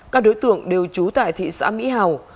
các đối tượng đều trú tại thị xã mỹ hào